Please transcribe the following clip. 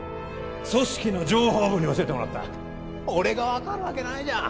組織の情報部に教えてもらった俺が分かるわけないじゃん